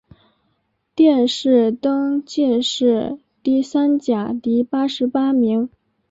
殿试登进士第三甲第八十八名。